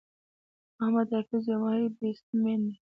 محمد حفيظ یو ماهر بيټسمېن دئ.